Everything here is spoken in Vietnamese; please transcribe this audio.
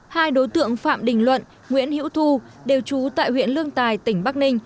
hai đối tượng phạm đình luận nguyễn hữu thu đều trú tại huyện lương tài tỉnh bắc ninh